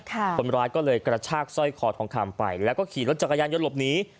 คนร้ายก็เลยกระชากสร้อยคอทองคำไปแล้วก็ขี่รถจักรยานยนต์หลบหนี